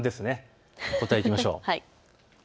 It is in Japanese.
答え、いきましょう。